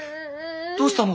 どうしたの！？